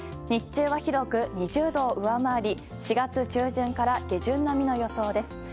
日中は広く２０度を上回り４月中旬から下旬並みの予想です。